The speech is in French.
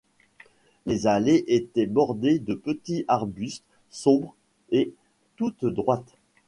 Les allées étaient bordées de petits arbustes sombres et toutes droites.